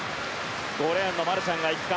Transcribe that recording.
５レーンのマルシャンが行くか。